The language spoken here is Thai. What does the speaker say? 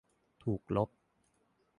ถูกลบ